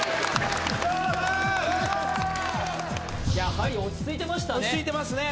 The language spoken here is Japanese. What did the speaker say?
やはり落ち着いてましたね